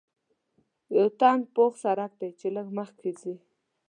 یو تنګ پوخ سړک دی چې لږ مخکې ځې.